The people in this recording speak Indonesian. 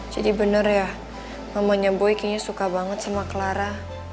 jadi bener ya mamanya boy kayaknya suka banget sama clara